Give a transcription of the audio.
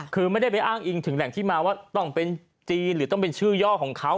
คือไม่ได้ไปอ้างอิงถึงแหล่งที่มาว่าต้องเป็นจีนหรือต้องเป็นชื่อย่อของเขา